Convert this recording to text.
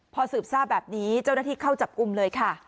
พอสืบทราบแบบนี้เจ้าหน้าที่เข้าจับกลุ่มเลยค่ะ